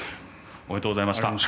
おめでとうございます。